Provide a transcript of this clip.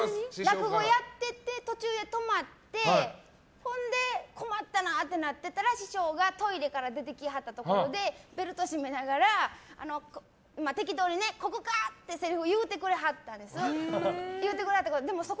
落語やってて途中で止まってほんで困ったなってなってたら師匠がトイレから出てきはったところでベルト閉めながら適当にここかってせりふを言うてくれはったんです。